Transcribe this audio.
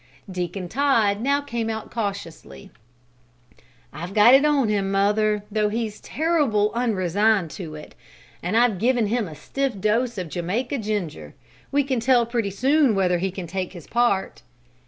Deacon Todd now came out cautiously. "I've got it on him, mother, tho' he's terrible unresigned to it; an' I've given him a stiff dose o' Jamaica Ginger. We can tell pretty soon whether he can take his part."